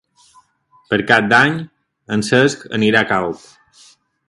Per Cap d'Any en Cesc anirà a Calp.